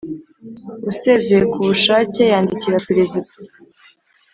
Usezeye ku bushake yandikira Perezida